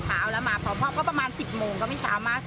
เช้าแล้วมาพร้อมพร้อมพร้อมก็ประมาณสิบโมงก็ไม่เช้ามากสิ